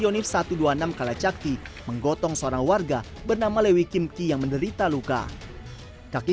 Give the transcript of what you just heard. kondisi satu ratus dua puluh enam kalajakti menggotong seorang warga bernama lewi kim ki yang menderita luka kaki